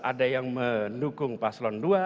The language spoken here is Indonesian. ada yang mendukung paslon dua